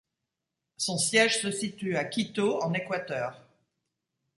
Son siège se situe à Quito, en Équateur.